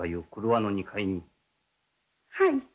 はい。